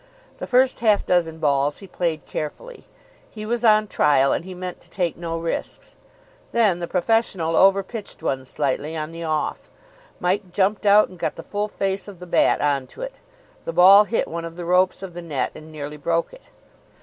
The first half dozen balls he played carefully. He was on trial, and he meant to take no risks. Then the professional over pitched one slightly on the off. Mike jumped out, and got the full face of the bat on to it. The ball hit one of the ropes of the net, and nearly broke it.